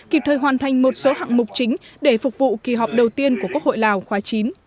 kịp thời hoàn thành một số hạng mục chính để phục vụ kỳ họp đầu tiên của quốc hội lào khóa chín